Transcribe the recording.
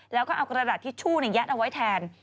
แล้วก็เอากระดาษทิชชู่ยัดเอาไว้แทน